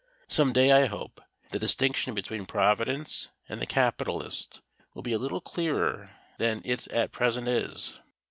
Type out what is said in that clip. Some day, I hope, the distinction between Providence and the capitalist will be a little clearer than it at present is.